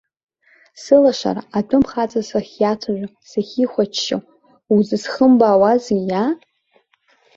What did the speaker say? Сылашара, атәым хаҵа сахьиацәажәо, сахьихәаччо, узысхымбаауазеи, иаа?